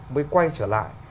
mới quay trở lại